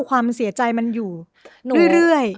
ความเสียใจมันอยู่เรื่อย